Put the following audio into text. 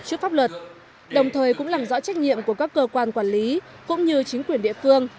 trước pháp luật đồng thời cũng làm rõ trách nhiệm của các cơ quan quản lý cũng như chính quyền địa phương